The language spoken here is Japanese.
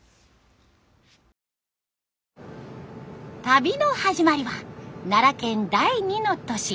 旅の始まりは奈良県第二の都市